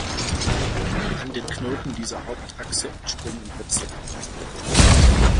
An den Knoten dieser Hauptachse entspringen Wurzeln.